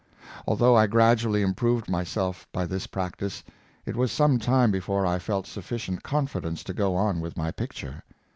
Although I gradually improved myself by this practice, it was some time before I felt sufficient confidence to go on with my picture.